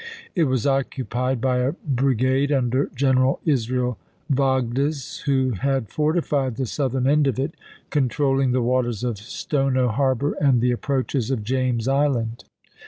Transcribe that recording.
It was occupied by a brigade under General Israel Vogdes, who had fortified the southern end of it, controlling the waters of Stono harbor and the approaches of James Island.